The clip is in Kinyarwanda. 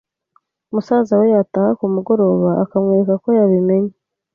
musaza we yataha ku mugoroba akamwereka ko yabimenye